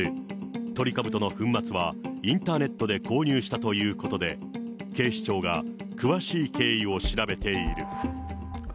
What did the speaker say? トリカブトの粉末はインターネットで購入したということで、警視庁が詳しい経緯を調べている。